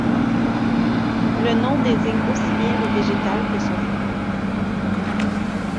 Le nom désigne aussi bien le végétal que son fruit.